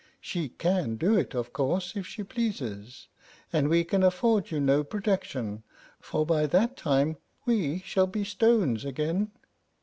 She can do it, of course, if she pleases; and we can afford you no protection, for by that time we shall be stones again.